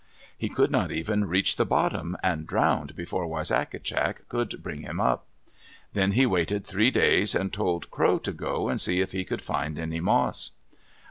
He could not even reach the bottom, and drowned before Wisagatcak could bring him up. Then he waited three days and told Crow to go and see if he could find any moss.